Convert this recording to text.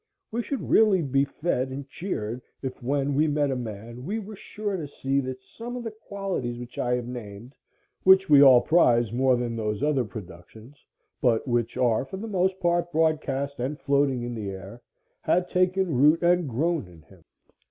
We should really be fed and cheered if when we met a man we were sure to see that some of the qualities which I have named, which we all prize more than those other productions, but which are for the most part broadcast and floating in the air, had taken root and grown in him.